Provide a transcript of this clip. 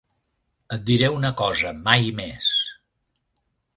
Et diré una cosa, mai més.